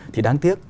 thì đáng tiếc